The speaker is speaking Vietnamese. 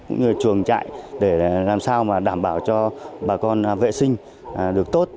những cái chuồng chạy để làm sao mà đảm bảo cho bà con vệ sinh được tốt